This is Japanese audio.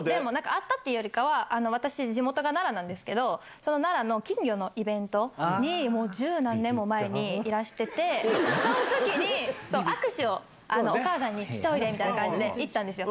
会ったというよりかは、私、地元が奈良なんですけど、その奈良の金魚のイベントに、もう十何年も前にいらしてて、そのときに握手を、お母さんにしておいでみたいな感じで行ったんですよ。